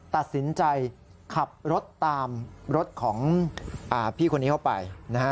ตัดสินใจขับรถตามรถของพี่คนนี้เข้าไปนะฮะ